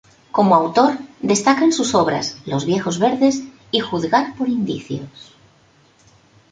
Como autor destacan sus obras "Los viejos verdes" y "Juzgar por indicios".